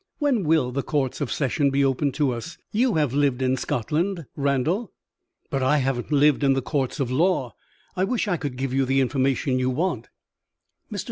When will the courts of session be open to us? You have lived in Scotland, Randal " "But I haven't lived in the courts of law. I wish I could give you the information you want." Mr.